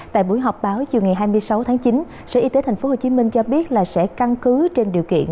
tại buổi họp báo chiều ngày hai mươi sáu tháng chín sở y tế tp hcm cho biết là sẽ căn cứ trên điều kiện